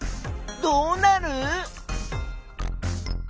どうなる？